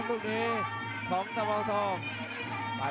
โปรดติดตามตอนต่อไป